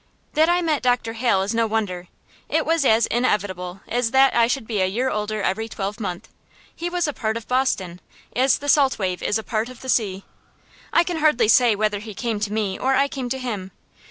That I met Dr. Hale is no wonder. It was as inevitable as that I should be a year older every twelvemonth. He was a part of Boston, as the salt wave is a part of the sea. I can hardly say whether he came to me or I came to him.